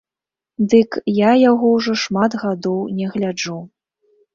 Дык я яго ўжо шмат гадоў не гляджу.